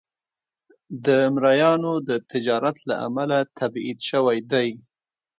د مریانو د تجارت له امله تبعید شوی دی.